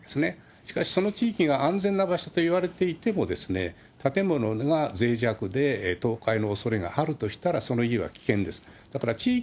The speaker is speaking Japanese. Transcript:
しかし、その地域が安全な場所といわれていても、建物がぜい弱で倒壊のおそれがあるとしたらその家は危険です。